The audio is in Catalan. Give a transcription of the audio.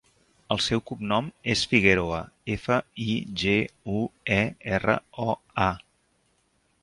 El seu cognom és Figueroa: efa, i, ge, u, e, erra, o, a.